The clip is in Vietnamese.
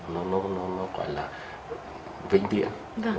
nó gọi là vĩnh viễn